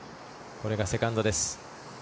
これがセカンドです。